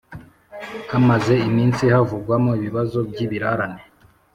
hamaze iminsi havugwamo ibibazo by’ibirarane